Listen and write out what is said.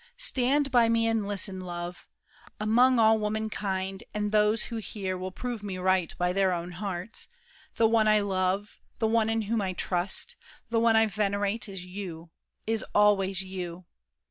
Stand by me and listen, love: Among all womankind—and those who hear Will prove me right by their own hearts—the one I love, the one in whom I trust, the one I venerate is you—is always you!